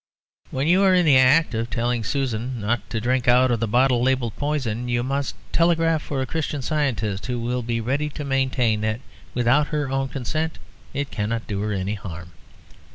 When you are in the act of telling Susan not to drink out of the bottle labelled "poison," you must telegraph for a Christian Scientist, who will be ready to maintain that without her own consent it cannot do her any harm.